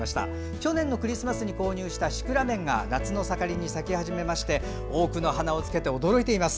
去年のクリスマスに購入したシクラメンが夏の盛りに咲き始めまして多くの花をつけて驚いています。